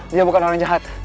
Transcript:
dia bukan orang jahat